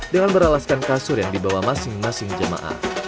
dengan beralaskan kasur yang dibawa masing masing jemaah